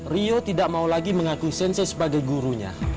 rio tidak mau lagi mengaku sense sebagai gurunya